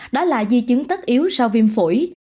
đó là di chứng tất yếu sau viêm phổi